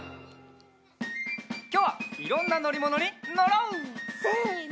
きょうはいろんなのりものにのろう！せの！